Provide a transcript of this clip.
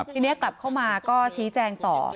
ทีนี้กลับเข้ามาก็ชี้แจงต่อ